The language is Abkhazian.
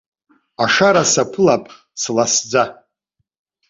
Ашара снаԥылап сласӡа.